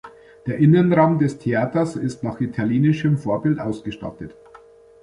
Der Innenraum des Theaters ist nach italienischem Vorbild ausgestattet.